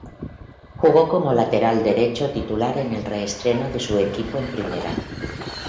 Jugó como lateral derecho titular en el re-estreno de su equipo en Primera.